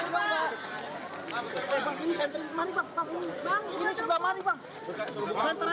bagaimana proses ataupun